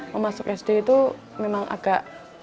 mau masuk sd itu memang agak